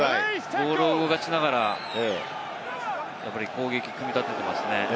ボールを動かしながら攻撃を組み立てていますね。